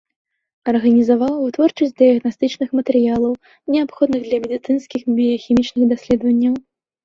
Арганізаваў вытворчасць дыягнастычных матэрыялаў, неабходных для медыцынскіх біяхімічных даследаванняў.